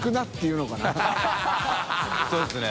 そうですね。